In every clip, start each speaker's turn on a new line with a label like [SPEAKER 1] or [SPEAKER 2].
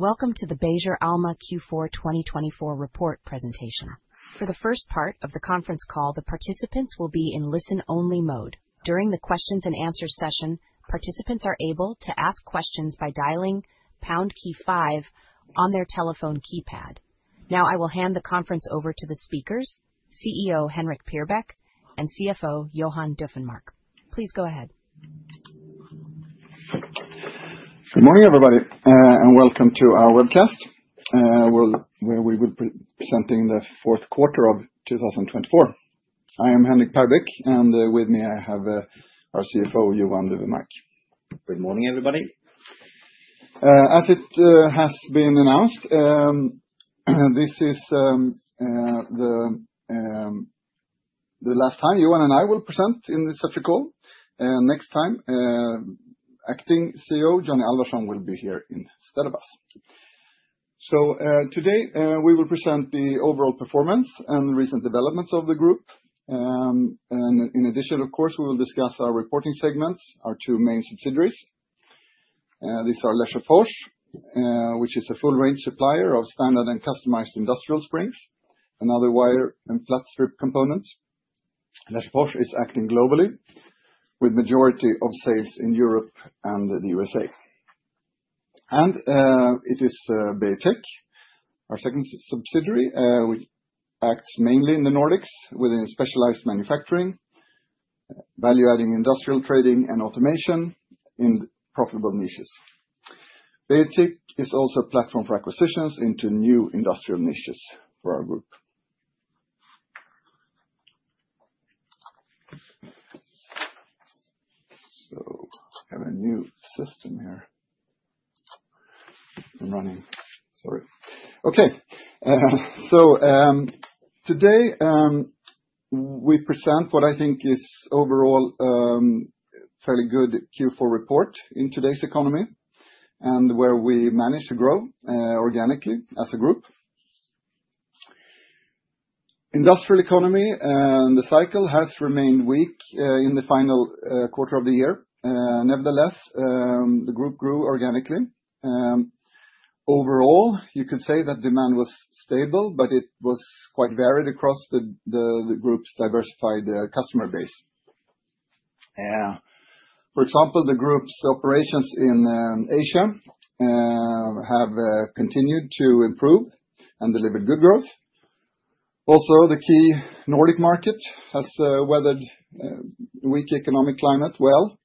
[SPEAKER 1] Welcome to the Beijer Alma Q4 2024 report presentation. For the first part of the conference call, the participants will be in listen-only mode. During the Q&A session, participants are able to ask questions by dialing #5 on their telephone keypad. Now, I will hand the conference over to the speakers, CEO Henrik Perbeck and CFO Johan Dufvenmark. Please go ahead.
[SPEAKER 2] Good morning, everybody, and welcome to our webcast, where we will be presenting the fourth quarter of 2024. I am Henrik Perbeck, and with me I have our CFO, Johan Dufvenmark.
[SPEAKER 3] Good morning, everybody.
[SPEAKER 2] As it has been announced, this is the last time Johan and I will present in such a call. Next time, Acting CEO Johnny Alvarsson will be here instead of us. So today we will present the overall performance and recent developments of the group. And in addition, of course, we will discuss our reporting segments, our two main subsidiaries. These are Lesjöfors, which is a full-range supplier of standard and customized industrial springs and other wire and flat strip components. Lesjöfors is acting globally, with the majority of sales in Europe and the USA. And it is BeijerTech, our second subsidiary, which acts mainly in the Nordics, within specialized manufacturing, value-adding industrial trading, and automation in profitable niches. BeijerTech is also a platform for acquisitions into new industrial niches for our group. So I have a new system here running. Sorry. Okay, so today we present what I think is overall a fairly good Q4 report in today's economy and where we managed to grow organically as a group. Industrial economy and the cycle has remained weak in the final quarter of the year. Nevertheless, the group grew organically. Overall, you could say that demand was stable, but it was quite varied across the group's diversified customer base. For example, the group's operations in Asia have continued to improve and delivered good growth. Also, the key Nordic market has weathered a weak economic climate well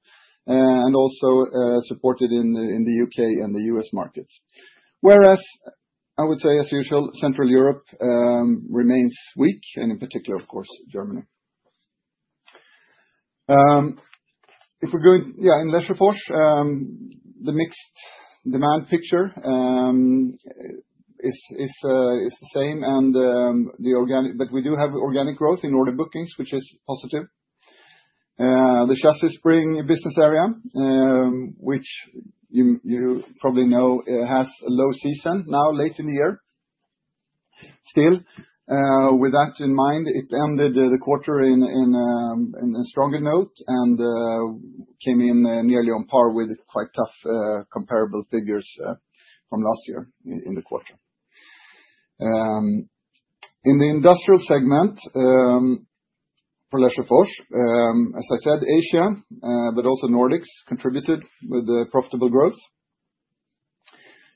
[SPEAKER 2] The chassis spring business area, which you probably know, has a low season now late in the year. Still, with that in mind, it ended the quarter in a stronger note and came in nearly on par with quite tough comparable figures from last year in the quarter. In the industrial segment for Lesjöfors, as I said, Asia, but also Nordics contributed with profitable growth.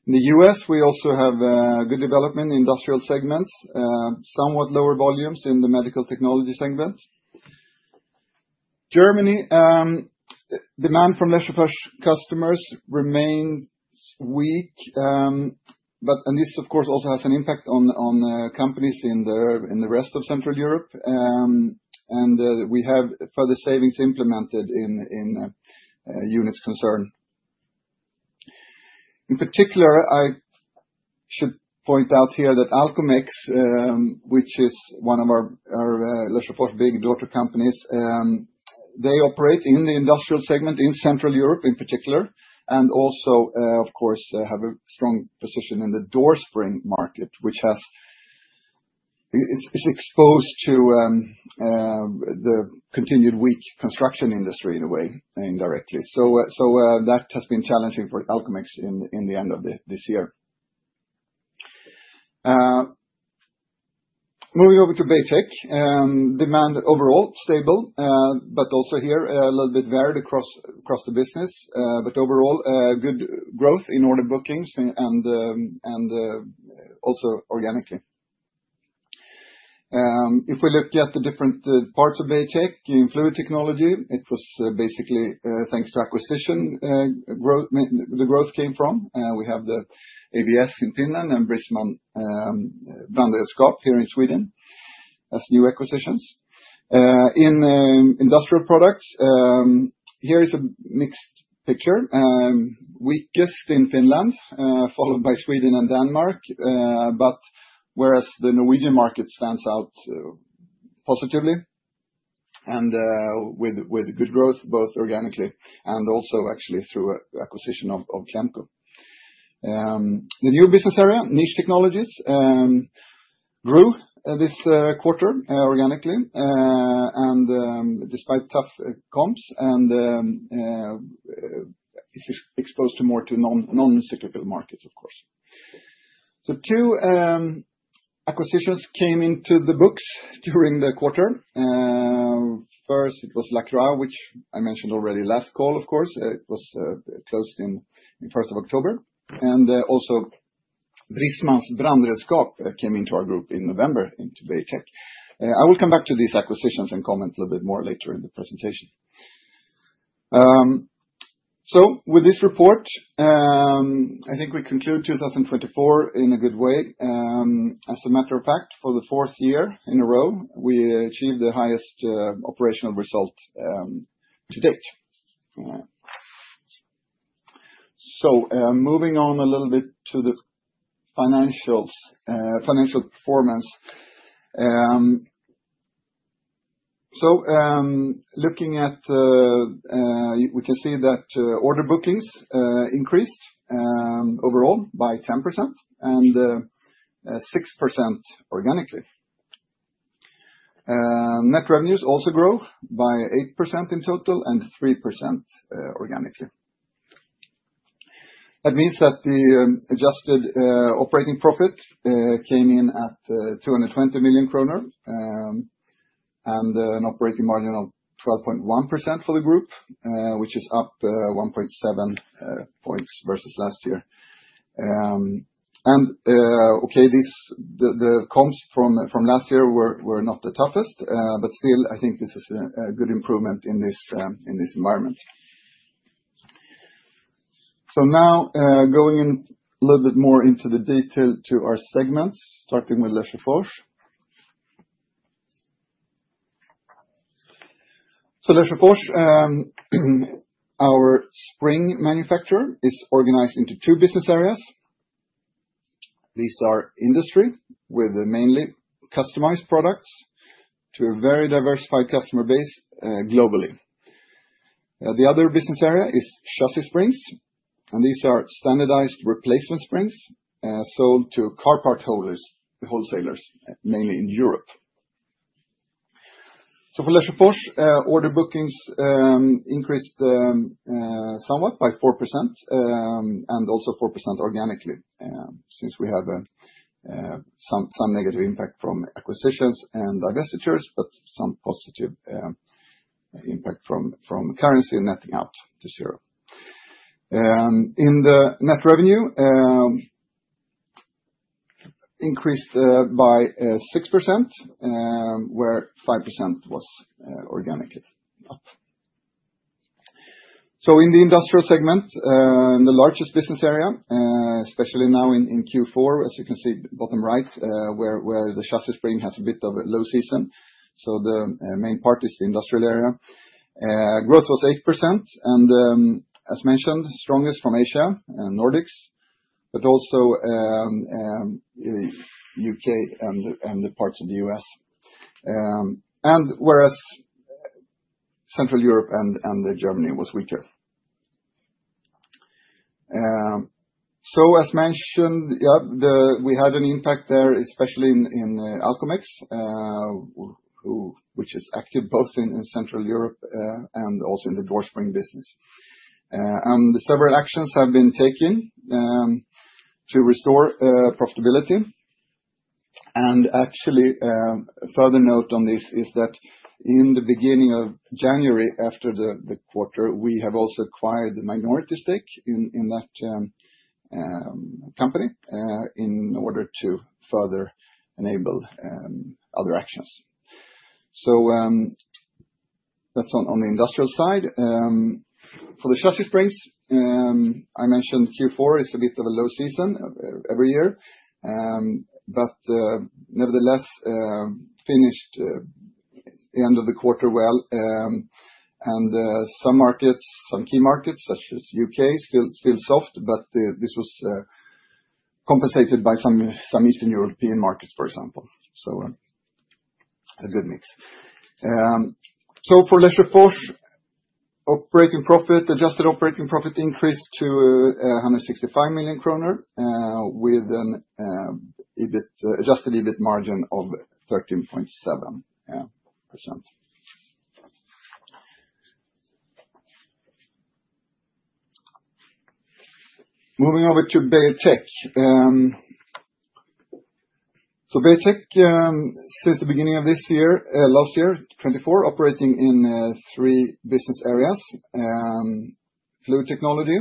[SPEAKER 2] In the U.S., we also have good development in industrial segments, somewhat lower volumes in the medical technology segment. German demand from Lesjöfors customers remains weak, but this, of course, also has an impact on companies in the rest of Central Europe. And we have further savings implemented in units concerned. In particular, I should point out here that Alcomex, which is one of our Lesjöfors big daughter companies, they operate in the industrial segment in Central Europe in particular, and also, of course, have a strong position in the door spring market, which is exposed to the continued weak construction industry in a way, indirectly. So that has been challenging for Alcomex in the end of this year. Moving over to Beijer, demand overall stable, but also here a little bit varied across the business, but overall good growth in order bookings and also organically. If we look at the different parts of Beijer in fluid technology, it was basically thanks to acquisition the growth came from. We have the A.B.S. in Finland and Brissmans Brandredskap here in Sweden as new acquisitions. In industrial products, here is a mixed picture. Weakest in Finland, followed by Sweden and Denmark, but whereas the Norwegian market stands out positively and with good growth, both organically and also actually through acquisition of Klemco. The new business area, niche technologies, grew this quarter organically, and despite tough comps, and is exposed more to non-cyclical markets, of course. So two acquisitions came into the books during the quarter. First, it was Lacroix, which I mentioned already last call, of course. It was closed in the first of October. And also Brissmans Brandredskap came into our group in November into BeijerTech. I will come back to these acquisitions and comment a little bit more later in the presentation. So with this report, I think we conclude 2024 in a good way. As a matter of fact, for the fourth year in a row, we achieved the highest operational result to date. Moving on a little bit to the financial performance. Looking at, we can see that order bookings increased overall by 10% and 6% organically. Net revenues also grew by 8% in total and 3% organically. That means that the adjusted operating profit came in at 220 million kronor and an operating margin of 12.1% for the group, which is up 1.7 points versus last year. Okay, the comps from last year were not the toughest, but still, I think this is a good improvement in this environment. Now going in a little bit more into the detail to our segments, starting with Lesjöfors. Lesjöfors, our spring manufacturer, is organized into two business areas. These are industry with mainly customized products to a very diversified customer base globally. The other business area is chassis springs, and these are standardized replacement springs sold to car parts wholesalers, mainly in Europe. So for Lesjöfors, order bookings increased somewhat by 4% and also 4% organically, since we have some negative impact from acquisitions and divestitures, but some positive impact from currency and netting out to zero. In the net revenue, increased by 6%, where 5% was organically up. So in the industrial segment, the largest business area, especially now in Q4, as you can see bottom right, where the chassis spring has a bit of a low season. So the main part is the industrial area. Growth was 8%, and as mentioned, strongest from Asia and Nordics, but also U.K. and parts of the U.S. And whereas Central Europe and Germany was weaker. As mentioned, yeah, we had an impact there, especially in Alcomex, which is active both in Central Europe and also in the door spring business. Several actions have been taken to restore profitability. Actually, a further note on this is that in the beginning of January, after the quarter, we have also acquired the minority stake in that company in order to further enable other actions. That's on the industrial side. For the chassis springs, I mentioned Q4 is a bit of a low season every year, but nevertheless, finished the end of the quarter well. Some markets, some key markets, such as UK, still soft, but this was compensated by some Eastern European markets, for example. A good mix. For Lesjöfors, operating profit, adjusted operating profit increased to 165 million kronor with an adjusted EBIT margin of 13.7%. Moving over to BeijerTech. So BeijerTech, since the beginning of this year, last year, 2024, operating in three business areas. Fluid technology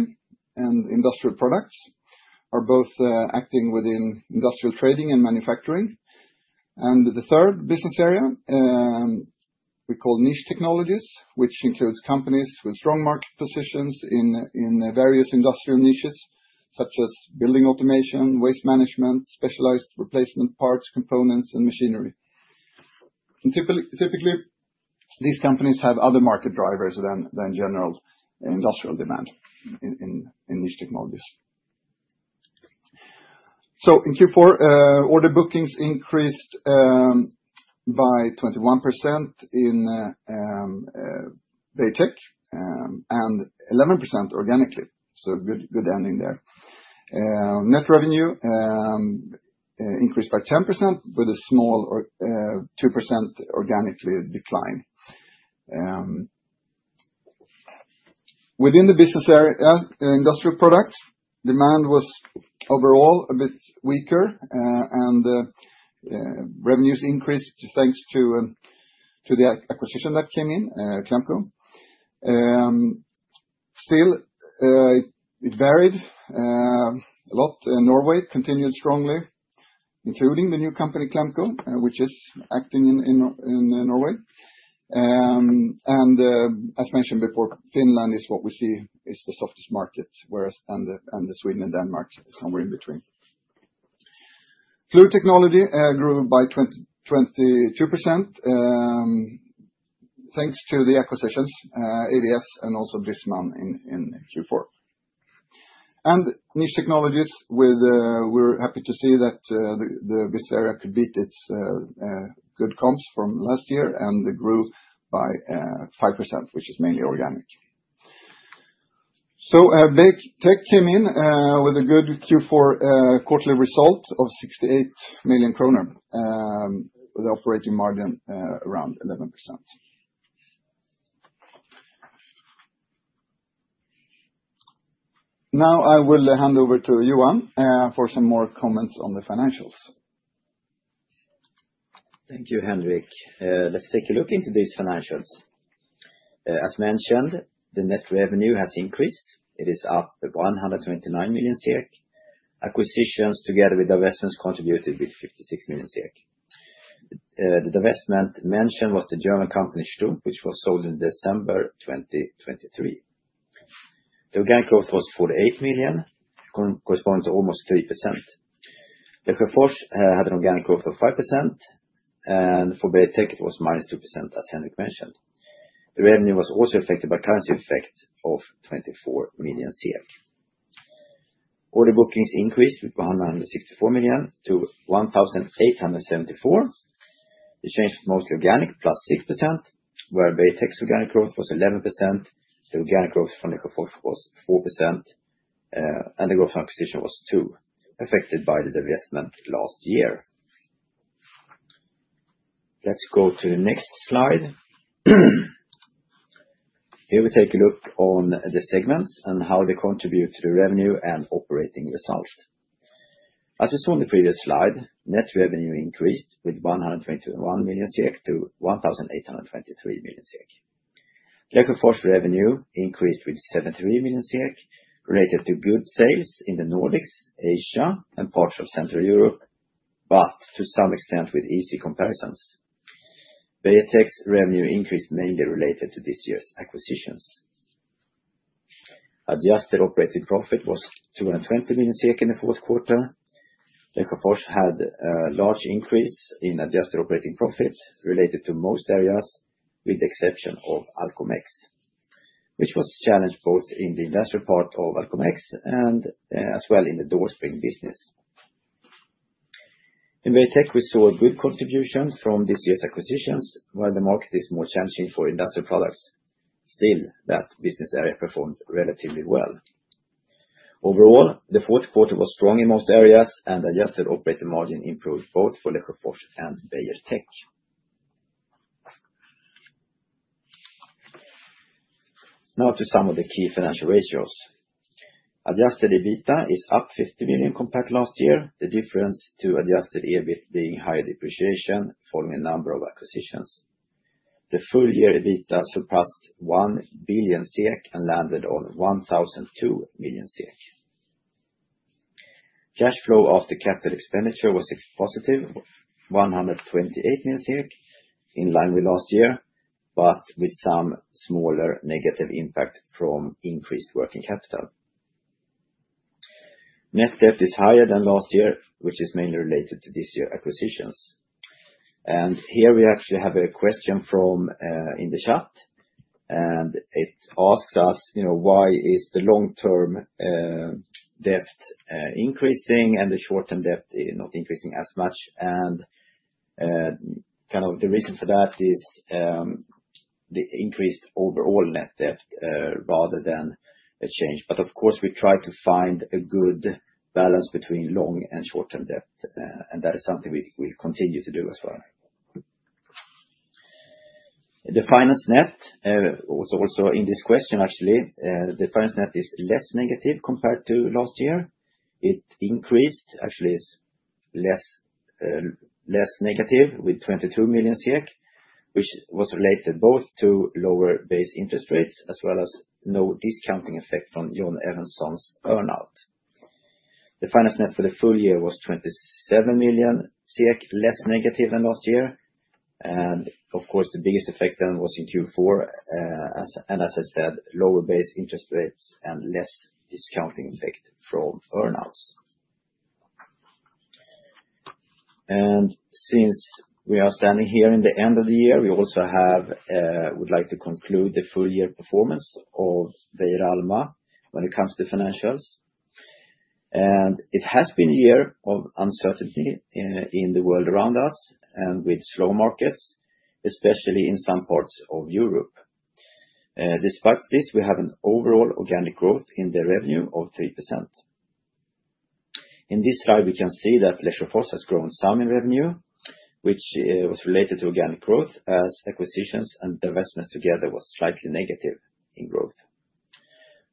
[SPEAKER 2] and industrial products are both acting within industrial trading and manufacturing, and the third business area we call niche technologies, which includes companies with strong market positions in various industrial niches, such as building automation, waste management, specialized replacement parts, components, and machinery. Typically, these companies have other market drivers than general industrial demand in niche technologies. So in Q4, order bookings increased by 21% in BeijerTech and 11% organically. So good ending there. Net revenue increased by 10% with a small 2% organically decline. Within the business area, industrial products, demand was overall a bit weaker, and revenues increased thanks to the acquisition that came in, Klemco. Still, it varied a lot. Norway continued strongly, including the new company Klemco, which is acting in Norway. As mentioned before, Finland is what we see is the softest market, whereas Sweden and Denmark is somewhere in between. Fluid technology grew by 22% thanks to the acquisitions, ABS and also Brissmans in Q4. Niche technologies, we're happy to see that this area could beat its good comps from last year and grew by 5%, which is mainly organic. BeijerTech came in with a good Q4 quarterly result of 68 million kronor with an operating margin around 11%. Now I will hand over to Johan for some more comments on the financials.
[SPEAKER 3] Thank you, Henrik. Let's take a look into these financials. As mentioned, the net revenue has increased. It is up 129 million SEK. Acquisitions together with divestments contributed with 56 million SEK. The divestment mentioned was the German company Stumpf, which was sold in December 2023. The organic growth was 48 million, corresponding to almost 3%. Lesjöfors had an organic growth of 5%, and for BeijerTech, it was minus 2%, as Henrik mentioned. The revenue was also affected by currency effect of 24 million SEK. Order bookings increased with 164 million to 1,874. The change was mostly organic, plus 6%, where BeijerTech's organic growth was 11%. The organic growth from Lesjöfors was 4%, and the growth from acquisition was 2%, affected by the divestment last year. Let's go to the next slide. Here we take a look on the segments and how they contribute to the revenue and operating result. As we saw in the previous slide, net revenue increased with 121 million SEK to 1,823 million SEK. Lesjöfors revenue increased with 73 million SEK, related to good sales in the Nordics, Asia, and parts of Central Europe, but to some extent with easy comparisons. BeijerTech's revenue increased mainly related to this year's acquisitions. Adjusted operating profit was 220 million SEK in the fourth quarter. Lesjöfors had a large increase in adjusted operating profit related to most areas, with the exception of Alcomex, which was challenged both in the industrial part of Alcomex and as well in the door spring business. In BeijerTech, we saw a good contribution from this year's acquisitions, while the market is more challenging for industrial products. Still, that business area performed relatively well. Overall, the fourth quarter was strong in most areas, and adjusted operating margin improved both for Lesjöfors and BeijerTech. Now to some of the key financial ratios. Adjusted EBITDA is up 50 million compared to last year, the difference to adjusted EBIT being higher depreciation following a number of acquisitions. The full year EBITDA surpassed 1 billion SEK and landed on 1,002 million SEK. Cash flow after capital expenditure was positive, 128 million SEK, in line with last year, but with some smaller negative impact from increased working capital. Net debt is higher than last year, which is mainly related to this year's acquisitions. And here we actually have a question from the chat, and it asks us, you know, why is the long-term debt increasing and the short-term debt not increasing as much? And kind of the reason for that is the increased overall net debt rather than a change. But of course, we try to find a good balance between long and short-term debt, and that is something we continue to do as well. The finance net, also in this question actually, the finance net is less negative compared to last year. It increased, actually is less negative with 22 million SEK, which was related both to lower base interest rates as well as no discounting effect from John Evans' Sons' earnout. The finance net for the full year was 27 million, less negative than last year. And of course, the biggest effect then was in Q4, and as I said, lower base interest rates and less discounting effect from earnouts. And since we are standing here in the end of the year, we also would like to conclude the full year performance of Beijer Alma when it comes to financials. And it has been a year of uncertainty in the world around us and with slow markets, especially in some parts of Europe. Despite this, we have an overall organic growth in the revenue of 3%. In this slide, we can see that Lesjöfors has grown some in revenue, which was related to organic growth as acquisitions and divestments together were slightly negative in growth.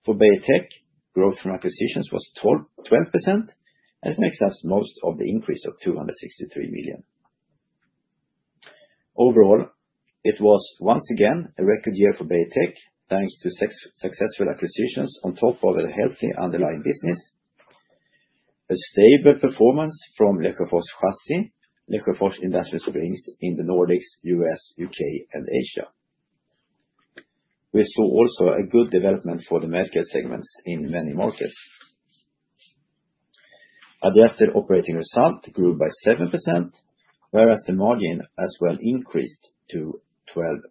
[SPEAKER 3] For BeijerTech, growth from acquisitions was 12%, and it makes up most of the increase of 263 million. Overall, it was once again a record year for BeijerTech thanks to successful acquisitions on top of a healthy underlying business, a stable performance from Lesjöfors chassis, Lesjöfors industrial springs in the Nordics, U.S., U.K., and Asia. We saw also a good development for the medical segments in many markets. Adjusted operating result grew by 7%, whereas the margin as well increased to 12.8%,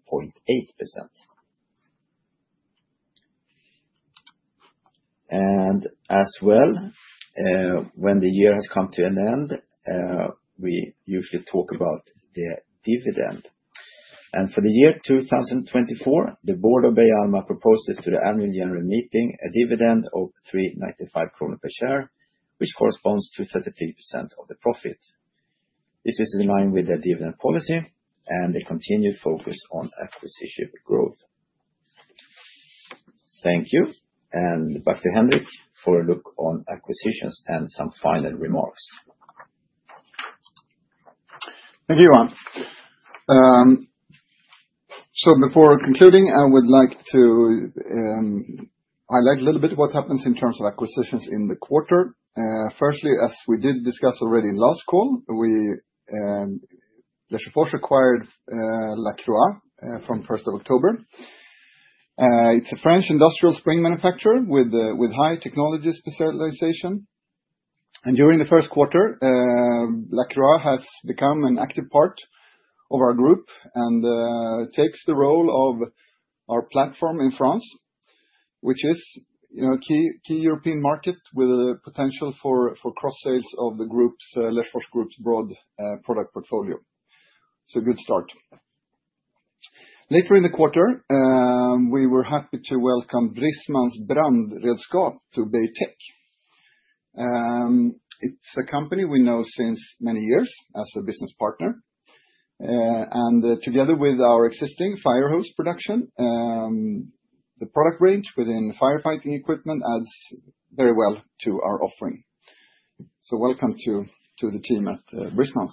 [SPEAKER 3] and as well, when the year has come to an end, we usually talk about the dividend. For the year 2024, the board of Beijer Alma proposes to the annual general meeting a dividend of 395 kronor per share, which corresponds to 33% of the profit. This is in line with their dividend policy and their continued focus on acquisition growth. Thank you, and back to Henrik for a look on acquisitions and some final remarks.
[SPEAKER 2] Thank you, Johan. So, before concluding, I would like to highlight a little bit what happens in terms of acquisitions in the quarter. Firstly, as we did discuss already in last call, Lesjöfors acquired Lacroix from 1st of October. It's a French industrial spring manufacturer with high technology specialization. And, during the first quarter, Lacroix has become an active part of our group and takes the role of our platform in France, which is a key European market with a potential for cross-sales of the Lesjöfors group's broad product portfolio. It's a good start. Later in the quarter, we were happy to welcome Brissmans Brandredskap to BeijerTech. It's a company we know since many years as a business partner. And, together with our existing firehose production, the product range within firefighting equipment adds very well to our offering. So, welcome to the team at Brissmans.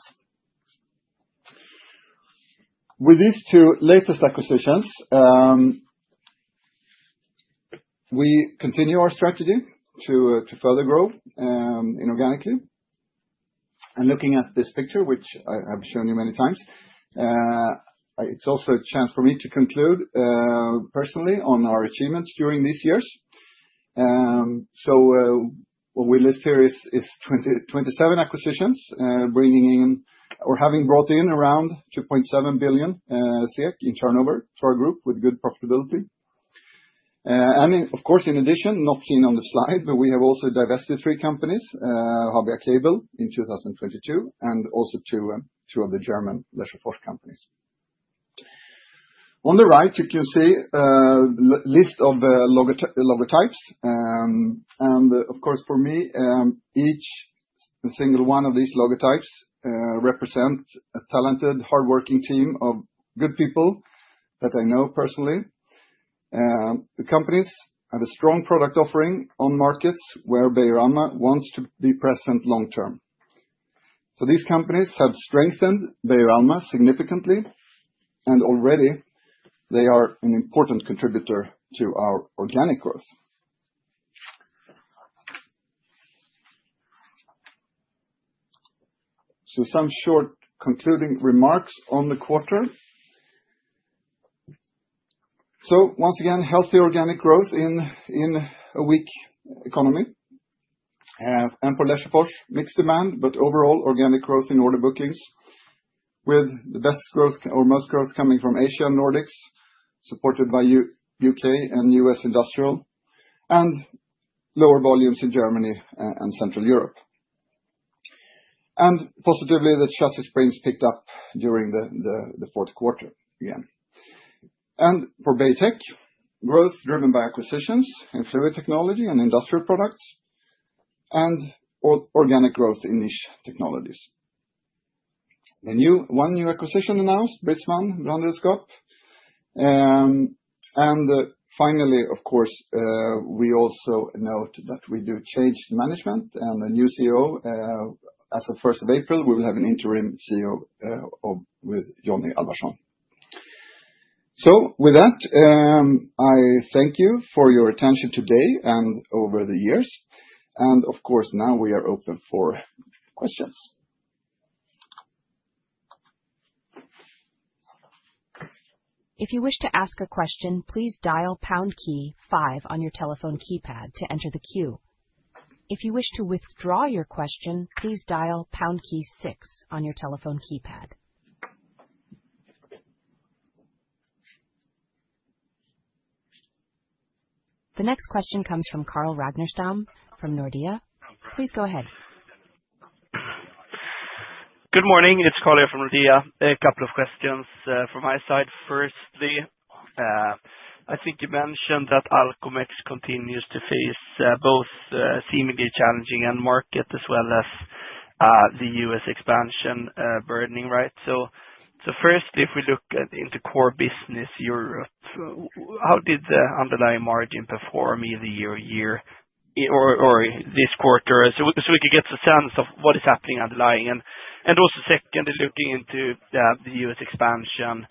[SPEAKER 2] With these two latest acquisitions, we continue our strategy to further grow inorganically. And looking at this picture, which I've shown you many times, it's also a chance for me to conclude personally on our achievements during these years. So what we list here is 27 acquisitions bringing in or having brought in around 2.7 billion in turnover for a group with good profitability. And of course, in addition, not seen on the slide, but we have also divested three companies, Habia Cable in 2022, and also two of the German Lesjöfors companies. On the right, you can see a list of logotypes. And of course, for me, each single one of these logotypes represents a talented, hardworking team of good people that I know personally. The companies have a strong product offering on markets where Beijer Alma wants to be present long-term. These companies have strengthened Beijer Alma significantly, and already they are an important contributor to our organic growth. Some short concluding remarks on the quarter. Once again, healthy organic growth in a weak economy. For Lesjöfors, mixed demand, but overall organic growth in order bookings, with the best growth or most growth coming from Asia and Nordics, supported by UK and US industrial, and lower volumes in Germany and Central Europe. Positively, the chassis springs picked up during the fourth quarter again. For BeijerTech, growth driven by acquisitions in fluid technology and industrial products and organic growth in niche technologies. One new acquisition announced, Brissmans Brandredskap. Finally, of course, we also note that we do change management and a new CEO. As of 1st of April, we will have an interim CEO with Johnny Alvarsson. So with that, I thank you for your attention today and over the years. And of course, now we are open for questions.
[SPEAKER 1] If you wish to ask a question, please dial pound key five on your telephone keypad to enter the queue. If you wish to withdraw your question, please dial pound key six on your telephone keypad. The next question comes from Karl Ragnarstam from Nordea. Please go ahead.
[SPEAKER 4] Good morning. It's Karl here from Nordea. A couple of questions from my side. Firstly, I think you mentioned that Alcomex continues to face both seemingly challenging end market as well as the US expansion burden, right? So firstly, if we look into core business Europe, how did the underlying margin perform either year-over-year or this quarter? So we could get a sense of what is happening underlying. And also secondly, looking into the US expansion,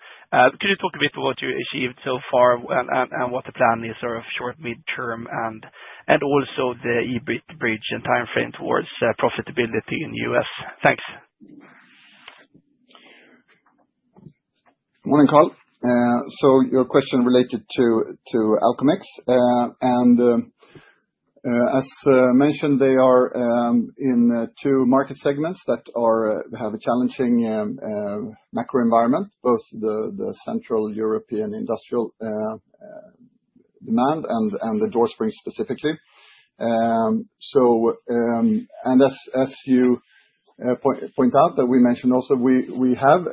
[SPEAKER 4] could you talk a bit about what you achieved so far and what the plan is sort of short, midterm, and also the EBIT bridge and timeframe towards profitability in the US? Thanks.
[SPEAKER 2] Morning, Karl. So your question related to Alcomex. And as mentioned, they are in two market segments that have a challenging macro environment, both the Central European industrial demand and the door springs specifically. And as you point out, we mentioned also we have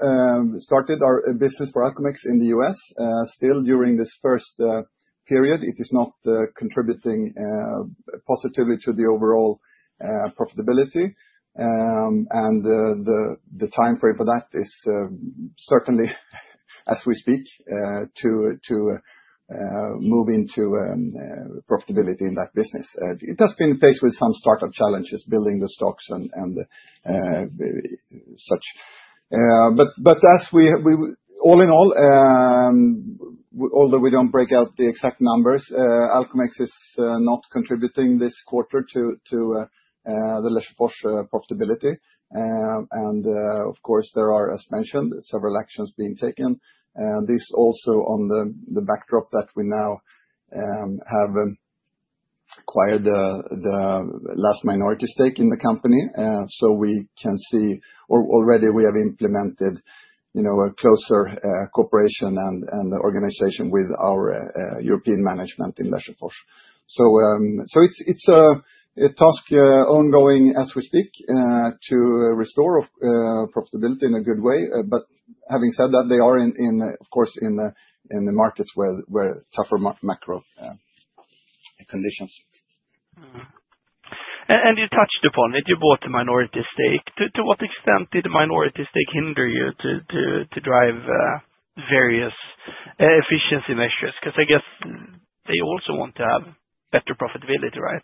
[SPEAKER 2] started our business for Alcomex in the US. Still, during this first period, it is not contributing positively to the overall profitability. And the timeframe for that is certainly, as we speak, to move into profitability in that business. It has been faced with some startup challenges, building the stocks and such. But as we, all in all, although we don't break out the exact numbers, Alcomex is not contributing this quarter to the Lesjöfors profitability. And of course, there are, as mentioned, several actions being taken. And this also on the backdrop that we now have acquired the last minority stake in the company. So we can see, or already we have implemented a closer cooperation and organization with our European management in Lesjöfors. So it's a task ongoing as we speak to restore profitability in a good way. But having said that, they are, of course, in the markets where tougher macro conditions.
[SPEAKER 4] And you touched upon it, you bought a minority stake. To what extent did the minority stake hinder you to drive various efficiency measures? Because I guess they also want to have better profitability, right?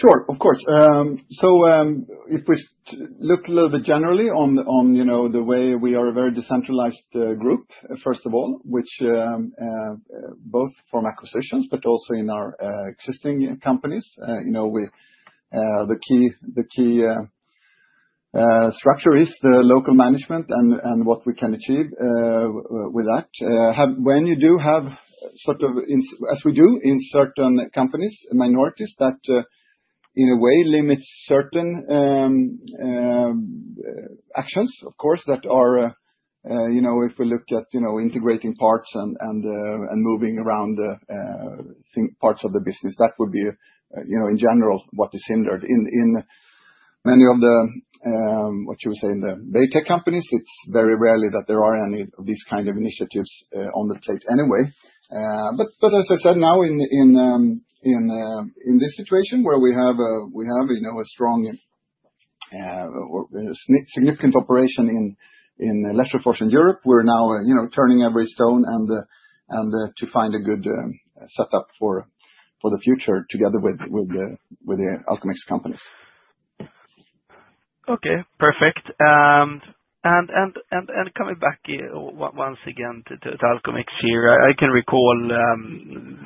[SPEAKER 2] Sure, of course. So if we look a little bit generally on the way we are a very decentralized group, first of all, which both from acquisitions, but also in our existing companies, the key structure is the local management and what we can achieve with that. When you do have sort of, as we do in certain companies, minorities that in a way limits certain actions, of course, that are if we look at integrating parts and moving around parts of the business, that would be in general what is hindered. In many of the, what should we say, in the BeijerTech companies, it's very rarely that there are any of these kind of initiatives on the plate anyway. But as I said now, in this situation where we have a strong or significant operation in Lesjöfors in Europe, we're now turning every stone and to find a good setup for the future together with the Alcomex companies.
[SPEAKER 4] Okay, perfect and coming back once again to Alcomex here, I can recall,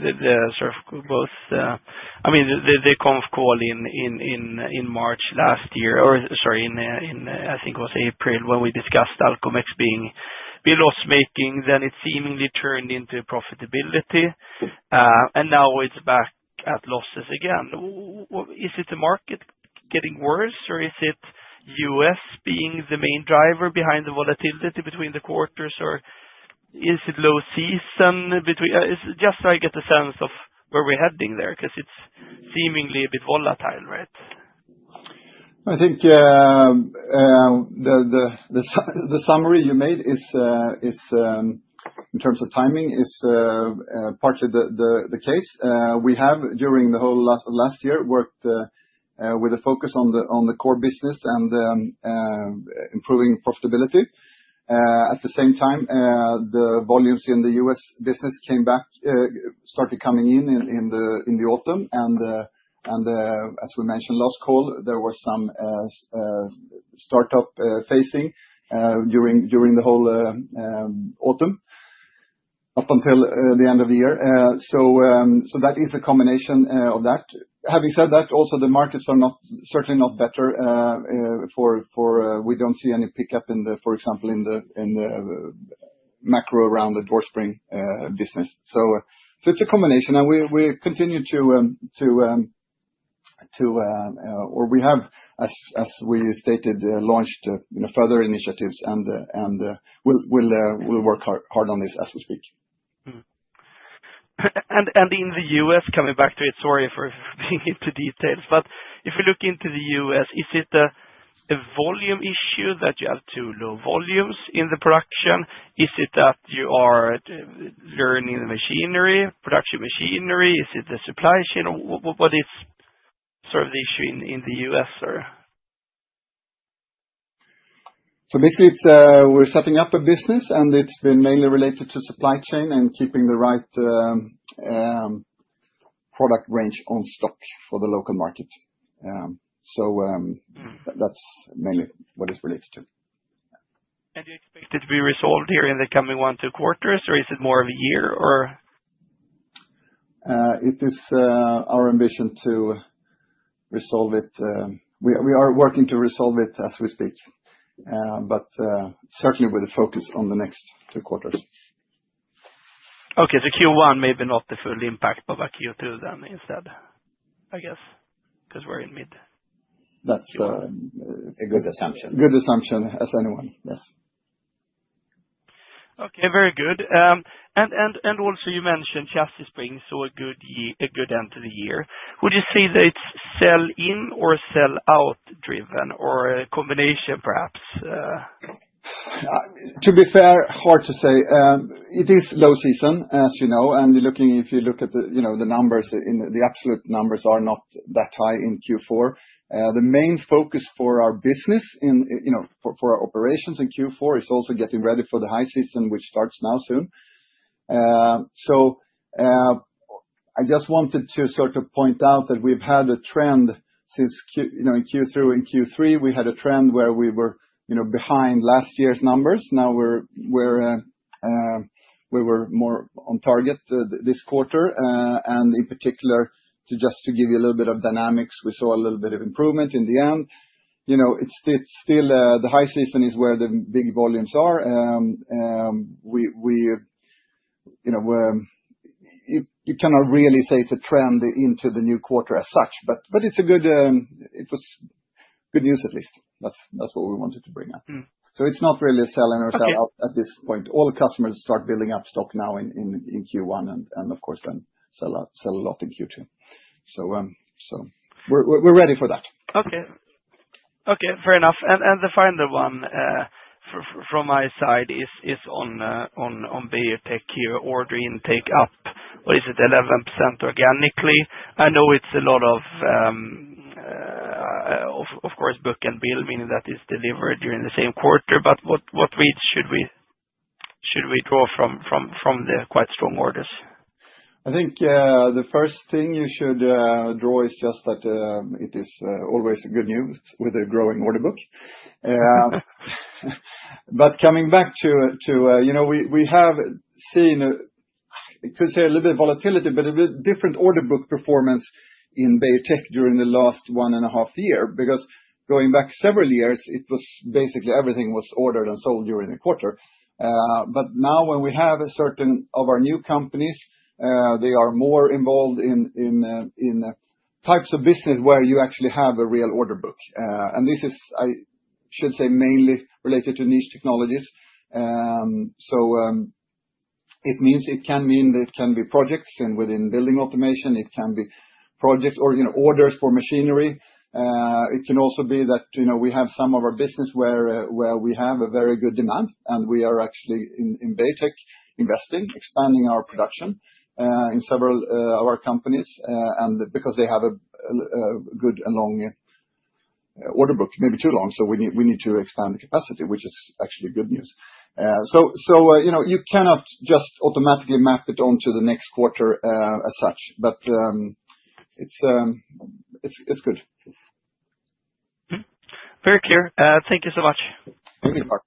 [SPEAKER 4] I mean, the conf call in March last year, or, sorry, I think it was April when we discussed Alcomex being loss-making, then it seemingly turned into profitability and now it's back at losses again. Is it the market getting worse, or is it U.S. being the main driver behind the volatility between the quarters, or is it low season? Just so I get a sense of where we're heading there, because it's seemingly a bit volatile, right?
[SPEAKER 2] I think the summary you made in terms of timing is partly the case. We have, during the whole last year, worked with a focus on the core business and improving profitability. At the same time, the volumes in the U.S. business came back, started coming in in the autumn. And as we mentioned last call, there were some startup phasing during the whole autumn up until the end of the year. So that is a combination of that. Having said that, also the markets are certainly not better, for we don't see any pickup in the, for example, in the macro around the door spring business. So it's a combination. And we continue to, or we have, as we stated, launched further initiatives and we'll work hard on this as we speak.
[SPEAKER 4] In the U.S., coming back to it, sorry for being into details, but if we look into the U.S., is it a volume issue that you have too low volumes in the production? Is it that you are learning machinery, production machinery? Is it the supply chain? What is sort of the issue in the U.S.?
[SPEAKER 2] So basically, we're setting up a business and it's been mainly related to supply chain and keeping the right product range on stock for the local market. So that's mainly what it's related to.
[SPEAKER 4] And do you expect it to be resolved here in the coming one or two quarters, or is it more of a year or?
[SPEAKER 2] It is our ambition to resolve it. We are working to resolve it as we speak, but certainly with a focus on the next two quarters.
[SPEAKER 4] Okay, so Q1 maybe not the full impact, but Q2 then instead, I guess, because we're in mid.
[SPEAKER 3] That's a good assumption.
[SPEAKER 2] Good assumption as anyone, yes.
[SPEAKER 4] Okay, very good. And also you mentioned chassis springs, so a good end of the year. Would you say that it's sell-in or sell-out driven or a combination perhaps?
[SPEAKER 2] To be fair, hard to say. It is low season, as you know, and if you look at the numbers, the absolute numbers are not that high in Q4. The main focus for our business, for our operations in Q4, is also getting ready for the high season, which starts now soon. So I just wanted to sort of point out that we've had a trend since Q2 and Q3, we had a trend where we were behind last year's numbers. Now we were more on target this quarter. And in particular, just to give you a little bit of dynamics, we saw a little bit of improvement in the end. It's still the high season is where the big volumes are. You cannot really say it's a trend into the new quarter as such, but it's a good, it was good news at least. That's what we wanted to bring up. So it's not really sell-in or sell-out at this point. All customers start building up stock now in Q1 and of course then sell a lot in Q2. So we're ready for that.
[SPEAKER 4] Okay. Okay, fair enough. And the final one from my side is on BeijerTech here, order intake up, or is it 11% organically? I know it's a lot of, of course, book and bill, meaning that is delivered during the same quarter, but what reads should we draw from the quite strong orders?
[SPEAKER 2] I think the first thing you should draw is just that it is always good news with a growing order book. But coming back to, we have seen, I could say a little bit of volatility, but a bit different order book performance in BeijerTech during the last one and a half year, because going back several years, it was basically everything was ordered and sold during the quarter. But now when we have a certain of our new companies, they are more involved in types of business where you actually have a real order book. And this is, I should say, mainly related to niche technologies. So it can mean that it can be projects within building automation, it can be projects or orders for machinery. It can also be that we have some of our business where we have a very good demand and we are actually in BeijerTech investing, expanding our production in several of our companies, and because they have a good and long order book, maybe too long, so we need to expand the capacity, which is actually good news, so you cannot just automatically map it onto the next quarter as such, but it's good.
[SPEAKER 4] Very clear. Thank you so much.
[SPEAKER 2] Thank you, Mark.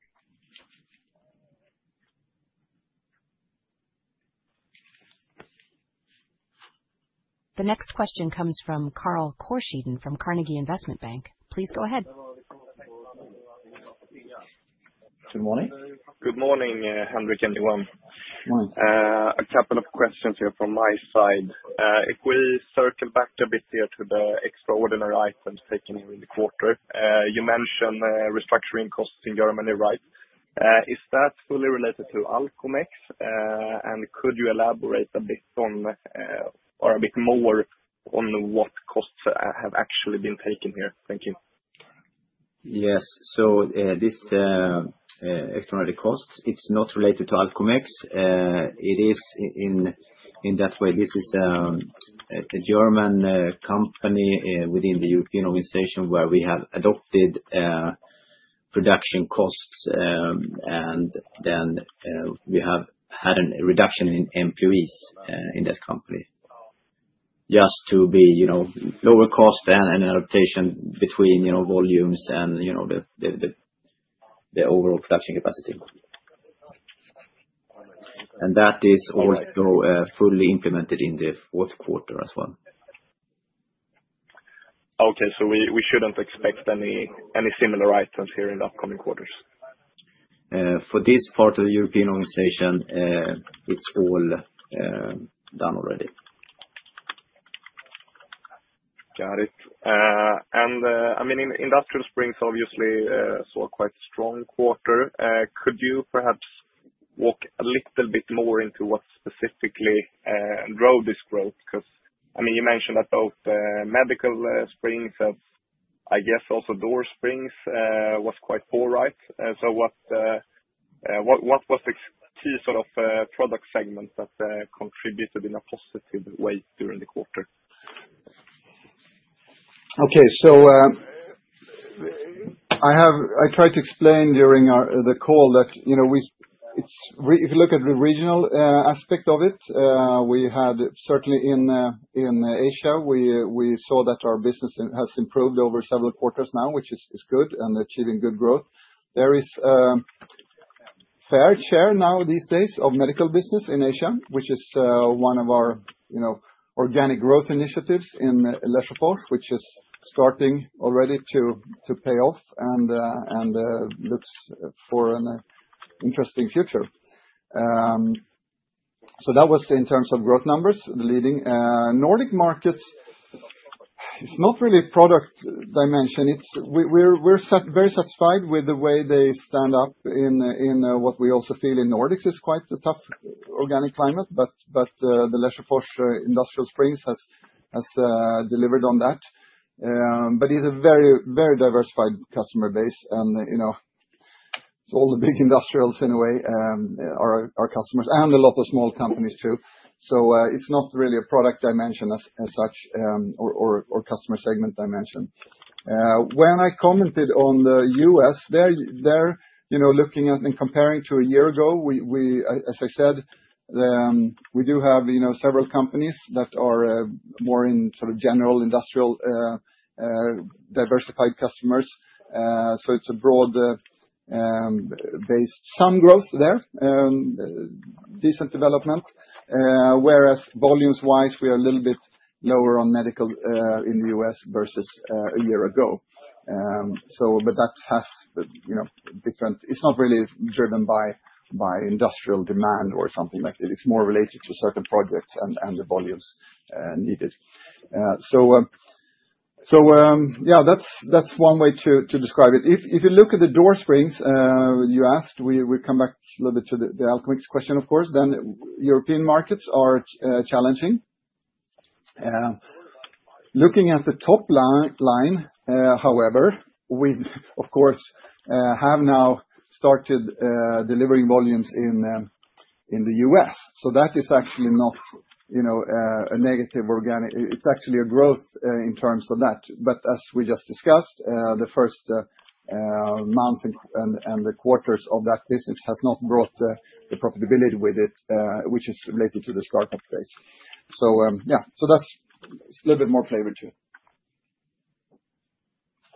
[SPEAKER 1] The next question comes from Karl Korsheden from Carnegie Investment Bank. Please go ahead.
[SPEAKER 3] Good morning.
[SPEAKER 5] Good morning, Henrik and Johan.
[SPEAKER 3] Morning.
[SPEAKER 5] A couple of questions here from my side. If we circle back a bit here to the extraordinary items taken here in the quarter, you mentioned restructuring costs in Germany, right? Is that fully related to Alcomex? And could you elaborate a bit on, or a bit more on what costs have actually been taken here? Thank you.
[SPEAKER 3] Yes. So this extraordinary cost, it's not related to Alcomex. It is in that way, this is a German company within the European organization where we have adopted production costs and then we have had a reduction in employees in that company. Just to be lower cost and adaptation between volumes and the overall production capacity, and that is also fully implemented in the fourth quarter as well.
[SPEAKER 5] Okay, so we shouldn't expect any similar items here in the upcoming quarters?
[SPEAKER 3] For this part of the European organization, it's all done already.
[SPEAKER 5] Got it. And I mean, industrial springs obviously saw quite a strong quarter. Could you perhaps walk a little bit more into what specifically drove this growth? Because I mean, you mentioned that both medical springs have, I guess, also door springs was quite poor, right? So what was the key sort of product segment that contributed in a positive way during the quarter?
[SPEAKER 2] Okay, so I tried to explain during the call that if you look at the regional aspect of it, we had certainly in Asia, we saw that our business has improved over several quarters now, which is good and achieving good growth. There is a fair share now these days of medical business in Asia, which is one of our organic growth initiatives in Lesjöfors, which is starting already to pay off and looks for an interesting future. So that was in terms of growth numbers, the leading. Nordic markets, it's not really a product dimension. We're very satisfied with the way they stand up in what we also feel in Nordics is quite a tough organic climate, but the Lesjöfors industrial springs has delivered on that. But it's a very, very diversified customer base and it's all the big industrials in a way, our customers, and a lot of small companies too. So it's not really a product dimension as such or customer segment dimension. When I commented on the U.S., they're looking at and comparing to a year ago, as I said, we do have several companies that are more in sort of general industrial diversified customers. So it's a broad-based some growth there, decent development, whereas volumes-wise, we are a little bit lower on medical in the U.S. versus a year ago. But that has different, it's not really driven by industrial demand or something like that. It's more related to certain projects and the volumes needed. So yeah, that's one way to describe it. If you look at the door springs, you asked, we come back a little bit to the Alcomex question, of course, then European markets are challenging. Looking at the top line, however, we of course have now started delivering volumes in the US. So that is actually not a negative organic, it's actually a growth in terms of that. But as we just discussed, the first months and the quarters of that business has not brought the profitability with it, which is related to the startup phase. So yeah, so that's a little bit more flavor to it.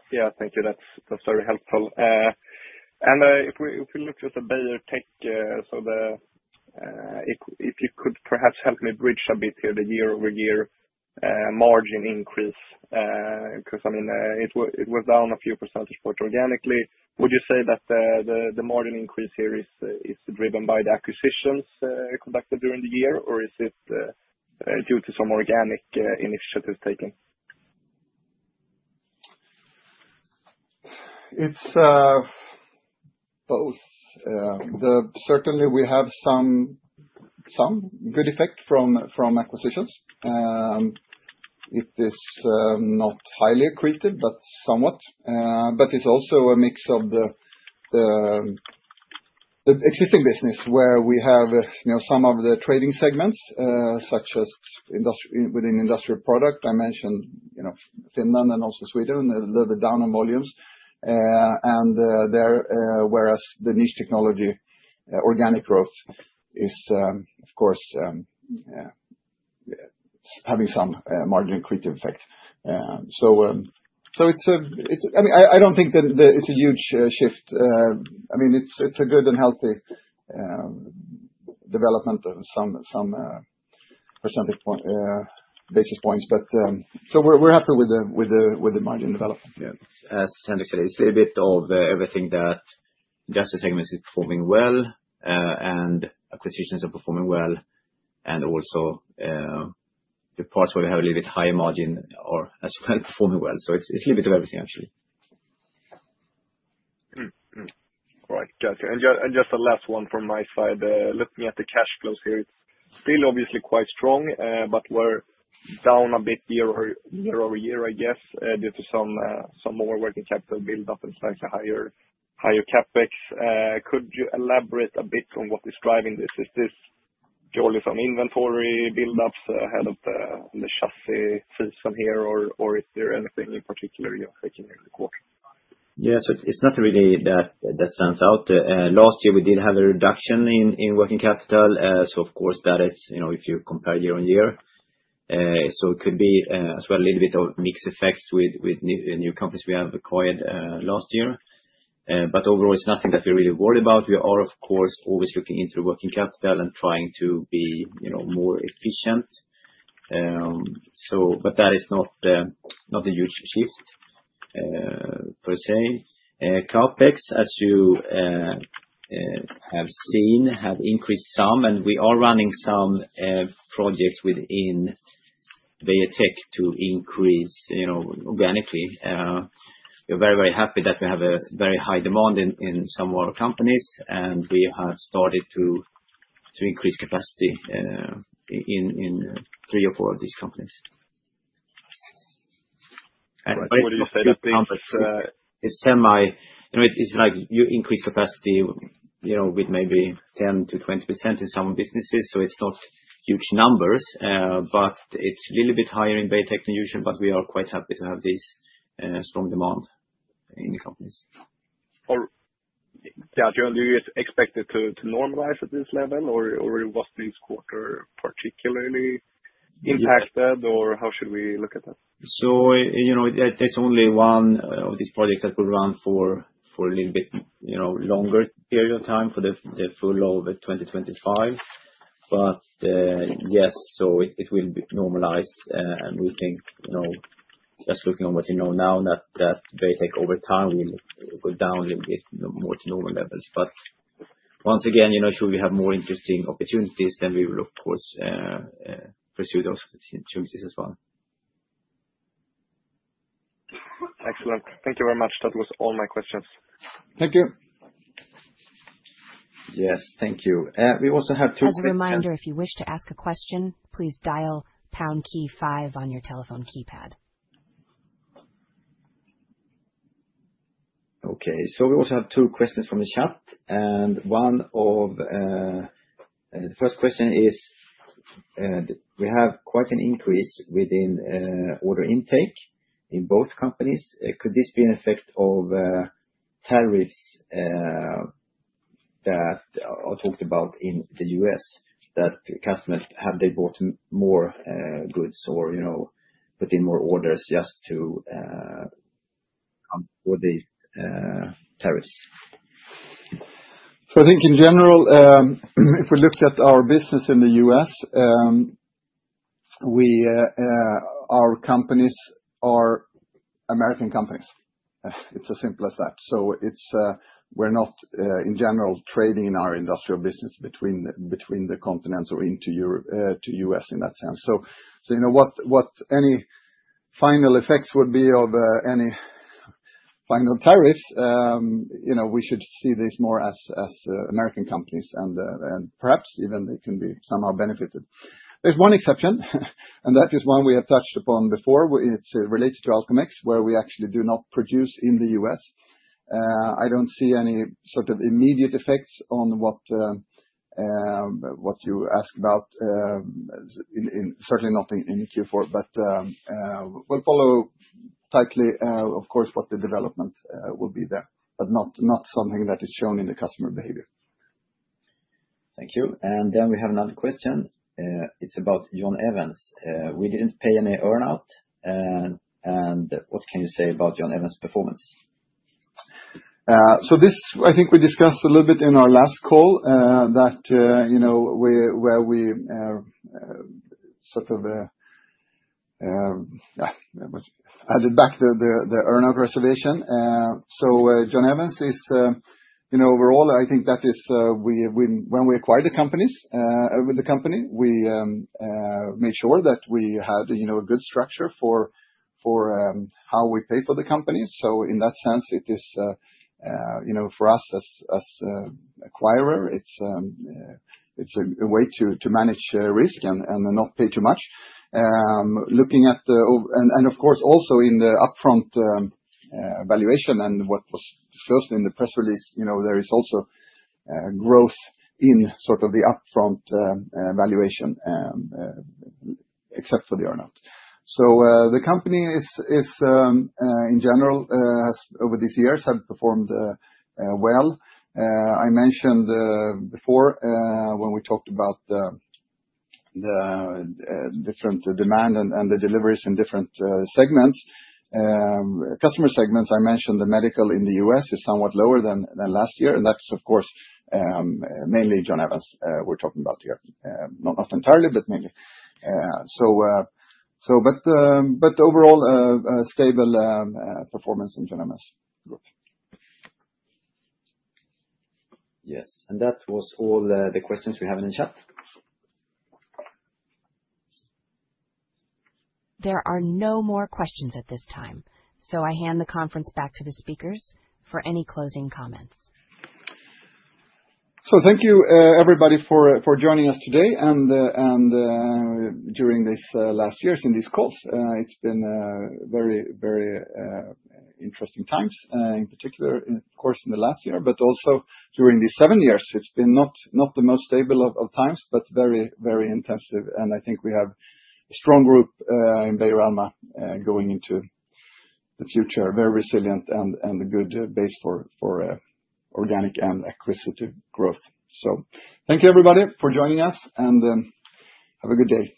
[SPEAKER 5] Yeah, thank you. That's very helpful. And if we look at the BeijerTech, so if you could perhaps help me bridge a bit here, the year-over-year margin increase, because I mean, it was down a few percentage points organically. Would you say that the margin increase here is driven by the acquisitions conducted during the year, or is it due to some organic initiatives taken?
[SPEAKER 2] It's both. Certainly, we have some good effect from acquisitions. It is not highly accretive, but somewhat. But it's also a mix of the existing business where we have some of the trading segments such as within industrial products. I mentioned Finland and also Sweden, a little bit down on volumes. And whereas the niche technologies, organic growth is of course having some margin accretive effect. So I mean, I don't think that it's a huge shift. I mean, it's a good and healthy development of some basis points, but so we're happy with the margin development.
[SPEAKER 3] Yeah. As Henrik said, it's a bit of everything that just the segments is performing well and acquisitions are performing well and also the parts where we have a little bit higher margin are as well performing well. So it's a little bit of everything actually.
[SPEAKER 5] Right. Gotcha. And just the last one from my side, looking at the cash flows here, it's still obviously quite strong, but we're down a bit year over year, I guess, due to some more working capital buildup and slightly higher CapEx. Could you elaborate a bit on what is driving this? Is this purely from inventory buildups ahead of the chassis season here, or is there anything in particular you're taking in the quarter?
[SPEAKER 3] Yeah, so it's nothing really that stands out. Last year, we did have a reduction in working capital. So of course, that is if you compare year on year. So it could be as well a little bit of mixed effects with new companies we have acquired last year. But overall, it's nothing that we're really worried about. We are, of course, always looking into working capital and trying to be more efficient. But that is not a huge shift per se. CapEx, as you have seen, have increased some, and we are running some projects within BeijerTech to increase organically. We're very, very happy that we have a very high demand in some of our companies, and we have started to increase capacity in three or four of these companies. It's semi. It's like you increase capacity with maybe 10%-20% in some businesses, so it's not huge numbers, but it's a little bit higher in BeijerTech than usual, but we are quite happy to have this strong demand in the companies.
[SPEAKER 5] Gotcha. And do you expect it to normalize at this level, or was this quarter particularly impacted, or how should we look at that?
[SPEAKER 3] So, there's only one of these projects that could run for a little bit longer period of time for the full of 2025. But yes, so it will be normalized. And we think just looking at what you know now, that BeijerTech over time will go down a little bit more to normal levels. But once again, should we have more interesting opportunities, then we will, of course, pursue those opportunities as well.
[SPEAKER 5] Excellent. Thank you very much. That was all my questions.
[SPEAKER 2] Thank you.
[SPEAKER 3] Yes, thank you. We also have two questions.
[SPEAKER 1] As a reminder, if you wish to ask a question, please dial pound key five on your telephone keypad.
[SPEAKER 3] Okay. So we also have two questions from the chat. And one of the first question is we have quite an increase within order intake in both companies. Could this be an effect of tariffs that are talked about in the U.S., that customers, have they bought more goods or put in more orders just to avoid the tariffs?
[SPEAKER 2] I think in general, if we look at our business in the U.S., our companies are American companies. It's as simple as that. We're not, in general, trading in our industrial business between the continents or into the U.S. in that sense. What any final effects would be of any final tariffs, we should see this more as American companies and perhaps even they can be somehow benefited. There's one exception, and that is one we have touched upon before. It's related to Alcomex, where we actually do not produce in the U.S. I don't see any sort of immediate effects on what you asked about, certainly nothing in Q4, but we'll follow tightly, of course, what the development will be there, but not something that is shown in the customer behavior.
[SPEAKER 3] Thank you, and then we have another question. It's about John Evans. We didn't pay any earnout, and what can you say about John Evans' performance?
[SPEAKER 2] So, this—I think we discussed a little bit in our last call—that where we sort of added back the earnout reservation. So, John Evans is overall. I think that is when we acquired the companies, with the company. We made sure that we had a good structure for how we pay for the companies. So, in that sense, it is for us as an acquirer. It's a way to manage risk and not pay too much. Looking at the—and of course also in the upfront valuation and what was disclosed in the press release—there is also growth in sort of the upfront valuation, except for the earnout. So, the company is, in general, over these years has performed well. I mentioned before when we talked about the different demand and the deliveries in different segments, customer segments. I mentioned the medical in the U.S. is somewhat lower than last year, and that's, of course, mainly John Evans we're talking about here. Not entirely, but mainly, but overall, stable performance in John Evans Group.
[SPEAKER 3] Yes, and that was all the questions we have in the chat.
[SPEAKER 1] There are no more questions at this time. So I hand the conference back to the speakers for any closing comments.
[SPEAKER 2] So thank you, everybody, for joining us today. And during these last years in these calls, it's been very, very interesting times, in particular, of course, in the last year, but also during these seven years. It's been not the most stable of times, but very, very intensive. And I think we have a strong group in Beijer Alma going into the future, very resilient and a good base for organic and accretive growth. So thank you, everybody, for joining us, and have a good day.